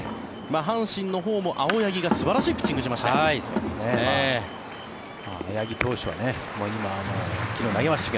阪神のほうも青柳が素晴らしいピッチングをしました。